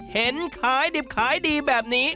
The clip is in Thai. เห็นขายดิบขายดีแบบนี้